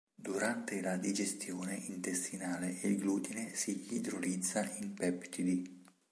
Durante la digestione intestinale il glutine si idrolizza in peptidi.